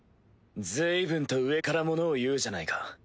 ずいぶんと上からものを言うじゃないか。